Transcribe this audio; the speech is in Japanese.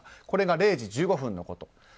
これが０時１５分のこと。